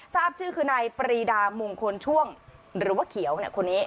ทราบชื่อคือนายปรีดามงคลช่วงหรือว่าเขียวคนนี้